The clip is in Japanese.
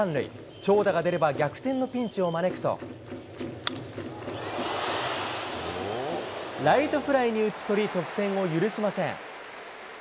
長打が出れば逆転のピンチを招くと、ライトフライに打ち取り、得点を許しません。